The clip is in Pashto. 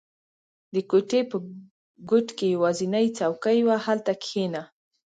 • د کوټې په ګوټ کې یوازینی څوکۍ وه، هلته کښېنه.